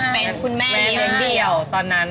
เป็นคุณแม่เดียวกันเดียวตอนนั้น